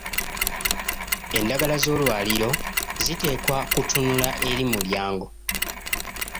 Endagala z'olwaliiro ziteekwa kutunula eri mulyango.